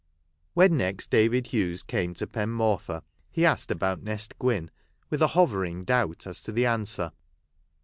When next David Hughes came to Pen Morfa, he asked about Nest Gwynn, with a hovering doubt as to the answer.